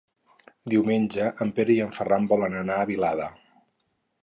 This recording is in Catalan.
Diumenge en Pere i en Ferran volen anar a Vilada.